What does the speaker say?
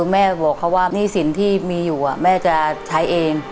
แม่บอกเขาว่าหนี้สินที่มีอยู่แม่จะใช้เอง